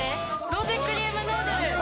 ロゼクリームヌードル。